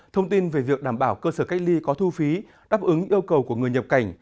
thông tin về việc đảm bảo cơ sở cách ly có thu phí đáp ứng yêu cầu của người nhập cảnh